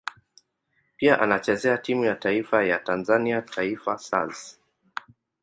Pia anachezea timu ya taifa ya Tanzania Taifa Stars.